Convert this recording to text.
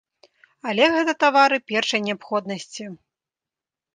Але гэта тавары першай неабходнасці.